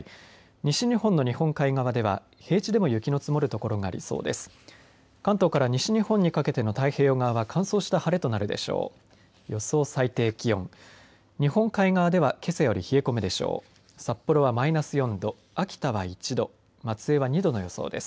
西日本の日本海側では平地でも雪の積もる所がありそうです。